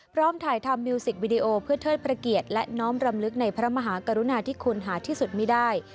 พร้อมถ่ายทำมิวสิกวิดีโอเพื่อเทิดพระเกียรติและน้อมรำลึกในพระมหากรุณาที่คุณหาที่สุดไม่ได้